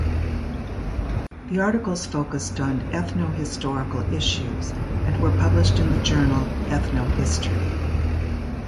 The articles focused on ethnohistorical issues and were published in the journal "Ethnohistory".